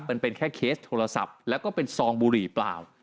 มันเป็นแค่เคสโทรศัพท์แล้วก็เป็นซองบุหรี่เปล่า